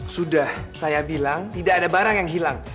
sudah saya bilang tidak ada barang yang hilang